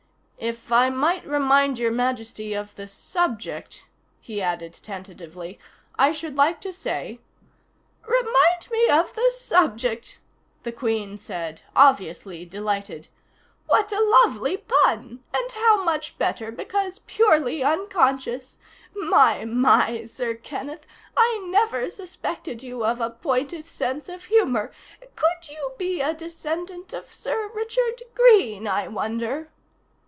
"If I might remind Your Majesty of the subject," he added tentatively, "I should like to say " "Remind me of the subject!" the Queen said, obviously delighted. "What a lovely pun! And how much better because purely unconscious! My, my, Sir Kenneth, I never suspected you of a pointed sense of humor could you be a descendant of Sir Richard Greene, I wonder?"